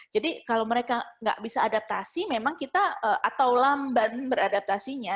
jadi kalau mereka nggak bisa adaptasi memang kita atau lamban beradaptasinya